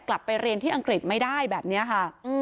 กลับไปเรียนที่อังกฤษไม่ได้แบบนี้ค่ะ